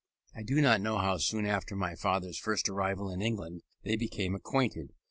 I do not know how soon after my father's first arrival in England they became acquainted.